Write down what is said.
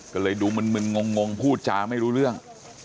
ก็เลยดูมึนงงพูดจาไม่รู้เรื่อง